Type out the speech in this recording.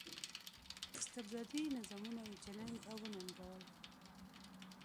استبدادي نظامونه یې چلنج او وننګول.